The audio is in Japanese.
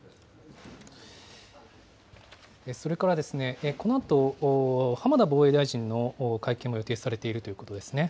それから、このあと浜田防衛大臣の会見も予定されているということですね。